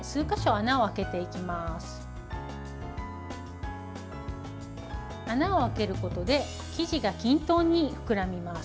穴を開けることで生地が均等に膨らみます。